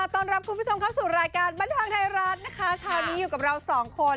ต้อนรับคุณผู้ชมเข้าสู่รายการบันเทิงไทยรัฐนะคะเช้านี้อยู่กับเราสองคน